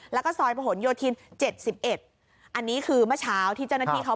๖๕แล้วก็ซอยพระหนโยธิน๗๑อันนี้คือเมื่อเช้าที่เจ้านัทที่เขา